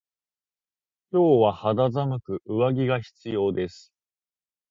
今日は肌寒く上着が必要です。